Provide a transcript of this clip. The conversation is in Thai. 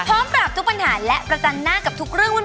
พร้อมปรับทุกปัญหาและประจันหน้ากับทุกเรื่องวุ่น